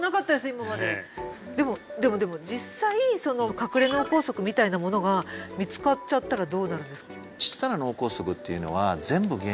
今まででもでもでも実際隠れ脳梗塞みたいなものが見つかっちゃったらどうなるんですか？